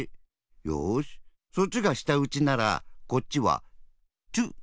よしそっちがしたうちならこっちはチュッ。